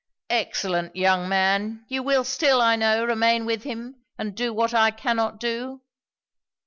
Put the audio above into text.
'Excellent young man! you will still, I know, remain with him, and do what I cannot do.'